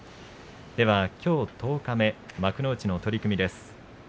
きょう十日目、幕内の取組です。